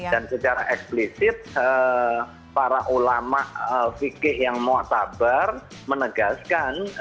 dan secara eksplisit para ulama fikir yang muatabar menegaskan